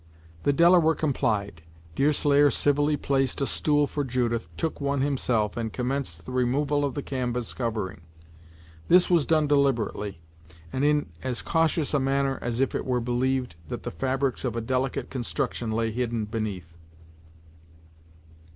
The Delaware complied, Deerslayer civilly placed a stool for Judith, took one himself, and commenced the removal of the canvas covering. This was done deliberately, and in as cautious a manner as if it were believed that fabrics of a delicate construction lay hidden beneath.